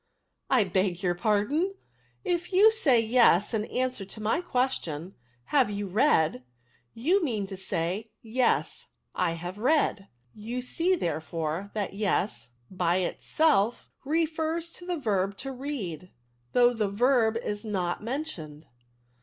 " I beg your pardon : if you say yes, in answer to my question, *Have you read V you mean to say, * Yes, I have read :* you see, therefore, that yes, by itself, refers to the verb to read, though the verb is not mentioned.